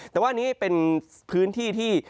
แต่ว่านี้เป็นพื้นที่ที่